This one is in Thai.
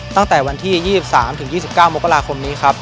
ตั้งแต่วันที่๒๓๒๙มกราคมนี้ครับ